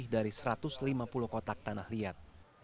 dari satu ratus lima puluh kotak tanah liat